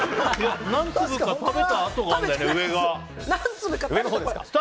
何粒か食べた跡があるんだよね。